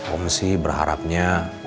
om sih berharapnya